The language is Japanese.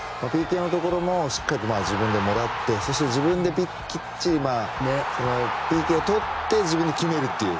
ＰＫのところもしっかり自分でもらってそして自分できっちりＰＫをとって自分で決めるという。